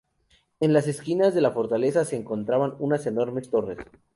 En las esquinas de la fortaleza se encontraban unas enormes torres.